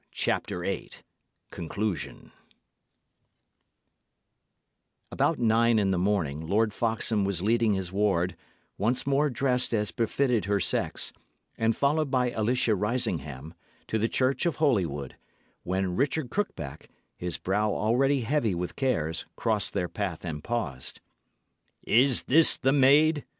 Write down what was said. CHAPTER VIII CONCLUSION About nine in the morning, Lord Foxham was leading his ward, once more dressed as befitted her sex, and followed by Alicia Risingham, to the church of Holywood, when Richard Crookback, his brow already heavy with cares, crossed their path and paused. "Is this the maid?"